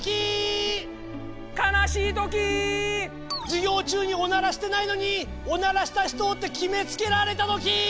授業中におならしてないのに「おならした人」と決めつけられたときー！